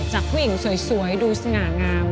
จากผู้หญิงสวยดูสง่างาม